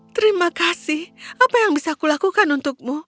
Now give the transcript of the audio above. terima kasih apa yang bisa kulakukan untukmu